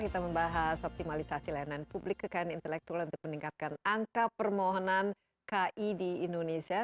kita membahas optimalisasi layanan publik kekayaan intelektual untuk meningkatkan angka permohonan ki di indonesia